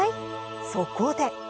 そこで。